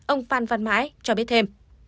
ông phan văn mãi cho biết thêm